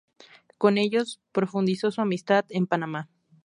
Con ellos profundizó su amistad en Panamá.